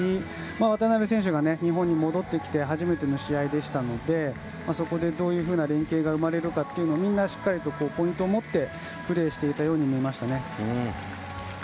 渡邊選手が日本に戻ってきて初めての試合でしたのでそこで、どういうふうな連係が生まれるかというのをみんなポイントを持ってプレーしていたように見えましたね。